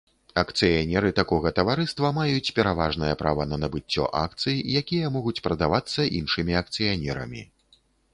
Акцыянеры такога таварыства маюць пераважнае права на набыццё акцый, якія могуць прадавацца іншымі акцыянерамі.